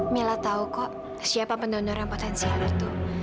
mila tahu kok siapa pendonor yang potensial itu